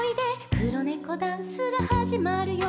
「くろネコダンスがはじまるよ」